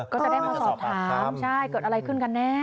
ก็จะได้มาสอบถามใช่เกิดอะไรขึ้นกันแน่